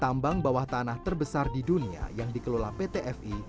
tambang bawah tanah terbesar di dunia yang dikelola pt fi